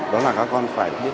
đó là các con phải biết